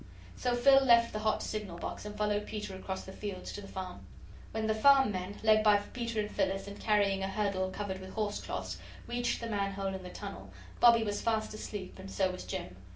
So Phil left the hot signal box and followed Peter across the fields to the farm. When the farm men, led by Peter and Phyllis and carrying a hurdle covered with horse cloths, reached the manhole in the tunnel, Bobbie was fast asleep and so was Jim.